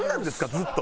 ずっと。